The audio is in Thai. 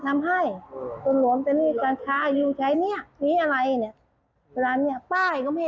แต่ตอนนี้ตัวเรารู้อยู่แล้วว่าเออมันล้ำ